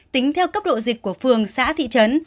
tính theo cấp độ dịch của phường xã thị trấn